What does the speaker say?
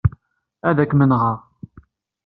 Ad kem-nɣeɣ.